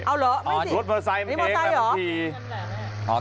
เอาเหรอไม่สินี่มอเตอร์ไซค์เหรอ